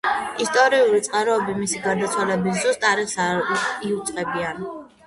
ისტორიული წყაროები მისი გარდაცვალების ზუსტ თარიღს არ იუწყებიან.